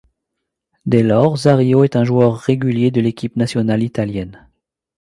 Dès lors, Zarrillo est un joueur régulier de l'équipe nationale italienne.